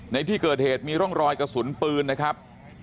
ในที่เกิดเหตุมีร่องรอยกระสุนปืนนะครับ